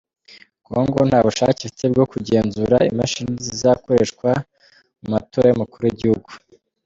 Congo nta bushake ifite bwo kugenzura imashini zizakoreshwa mu matora y’ umukuru w’ igihug.